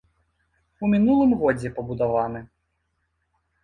У мінулым годзе пабудаваны.